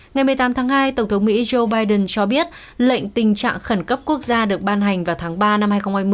ngày một mươi tám tháng hai tổng thống mỹ joe biden cho biết lệnh tình trạng khẩn cấp quốc gia được ban hành vào tháng ba năm hai nghìn hai mươi